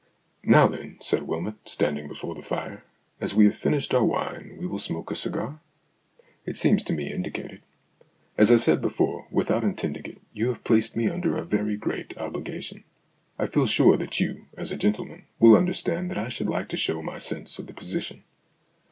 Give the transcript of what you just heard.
" Now then," said Wylmot, standing before the fire, " as we have finished our wine we will smoke. A cigar? It seems to me indicated. As I said before, without intending it, you have placed me under a very great obligation. I feel sure that you, as a gentleman, will understand that I should like to show my sense of the position.